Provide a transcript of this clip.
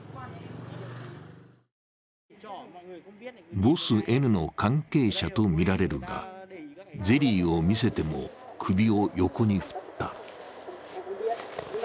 ボスＮの関係者とみられるがゼリーを見せても首を横に振った。